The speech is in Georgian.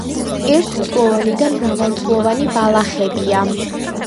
ერთწლოვანი და მრავალწლოვანი ბალახებია.